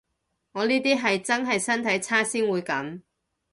我呢啲係真係身體差先會噉